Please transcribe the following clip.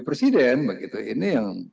presiden ini yang